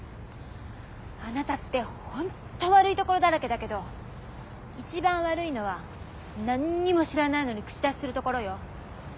あなたってホント悪いところだらけだけど一番悪いのは何にも知らないのに口出しするところよ。